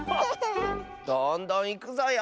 どんどんいくぞよ。